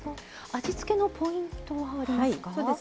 味付けのポイントはありますか？